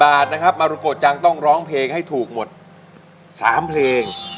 บาทนะครับมารุโกจังต้องร้องเพลงให้ถูกหมด๓เพลง